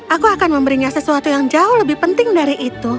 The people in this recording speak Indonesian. aku akan memberinya sesuatu yang jauh lebih penting dari itu